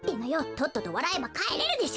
とっととわらえばかえれるでしょ！